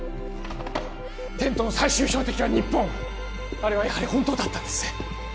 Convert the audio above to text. テントの最終標的は日本あれはやはり本当だったんですね